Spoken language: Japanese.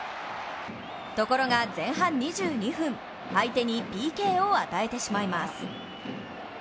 ところが前半２２分、相手にＰＫを与えてしまいます。